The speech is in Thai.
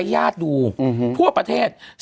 สุริยาจันทราทองเป็นหนังกลางแปลงในบริษัทอะไรนะครับ